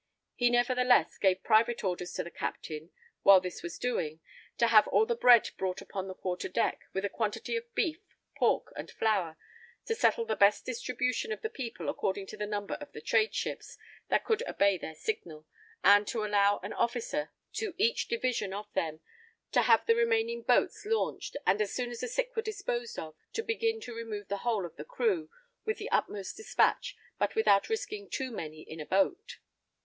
He, nevertheless, gave private orders to the captain, while this was doing, to have all the bread brought upon the quarter deck, with a quantity of beef, pork and flour, to settle the best distribution of the people according to the number of the trade ships that should obey their signal, and to allow an officer to each division of them; to have the remaining boats launched, and as soon as the sick were disposed of, to begin to remove the whole of the crew, with the utmost despatch, but without risking too many in a boat.